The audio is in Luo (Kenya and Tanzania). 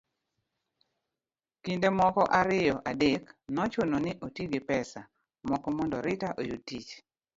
kinde moko ariyo adek nochuno ni oti gi pesa moko mondo Rita oyud tich